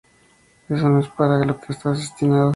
Eso no es para lo que estás destinado.